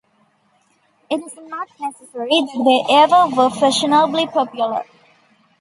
It is not necessary that they ever were fashionably popular.